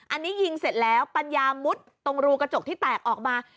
อันนี้ยิงเสร็จแล้วปัญญามุดตรงรูกระจกที่แตกออกมา